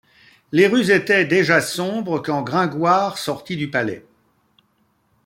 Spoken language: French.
Les rues étaient déjà sombres quand Gringoire sortit du Palais.